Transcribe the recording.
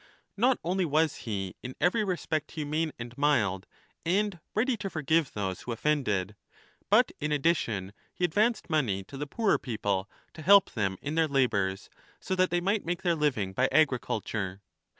Not only was he in every respect humane and mild and ready to forgive those who offended, but, in addition, he advanced money to the poorer people to help them in their labours, so that they might make their living by agriculture.